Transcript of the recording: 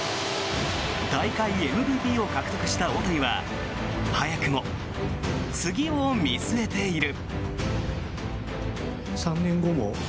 大会ＭＶＰを獲得した大谷は早くも次を見据えている。